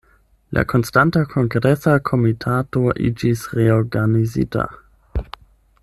La Konstanta Kongresa Komitato iĝis reorganizita.